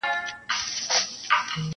هر لښتی يې اباسين ؤ -